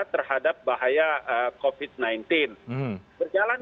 terhadap bahaya covid sembilan belas berjalan